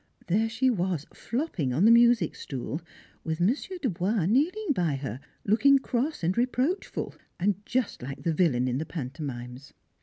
There she was flopping on the music stool, with Monsieur Dubois kneeling by her, looking cross and reproachful, and just like the villain in the pantomimes.